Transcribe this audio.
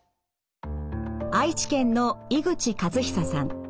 愛知県の井口和久さん。